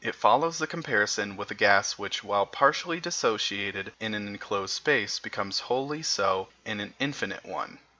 It follows the comparison with a gas which, while partially dissociated in an enclosed space, becomes wholly so in an infinite one.